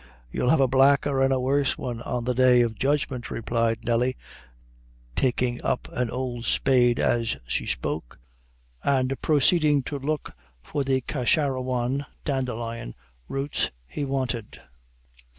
"You'll have a blacker an' a worse one on the day of judgment," replied Nelly, taking up an old spade as she spoke, and proceeding to look for the Casharrawan (Dandelion) roots he wanted.